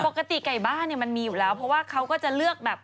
ปกติไก่บ้านเนี่ยมันมีอยู่แล้วเพราะว่าเขาก็จะเลือกแบบ